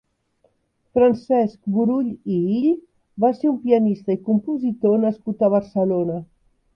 Francesc Burrull i Ill va ser un pianista i compositor nascut a Barcelona.